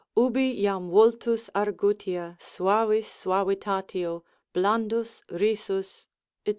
Ubi jam vultus argutia, suavis suavitatio, blandus, risus, &c.